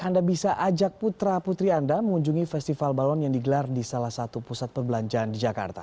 anda bisa ajak putra putri anda mengunjungi festival balon yang digelar di salah satu pusat perbelanjaan di jakarta